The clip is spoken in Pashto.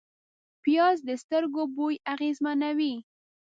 پیاز د سترګو بوی اغېزمنوي